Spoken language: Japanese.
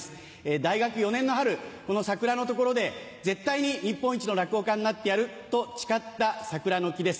大学４年の春この桜の所で「絶対に日本一の落語家になってやる」と誓った桜の木です。